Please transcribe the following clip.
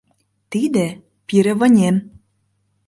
Тиде — пире вынем...